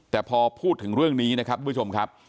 แต่พอพูดถึงเรื่องนี้นะครับทุกผู้ชมครับ